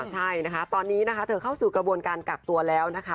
ใช่นะคะตอนนี้นะคะเธอเข้าสู่กระบวนการกักตัวแล้วนะคะ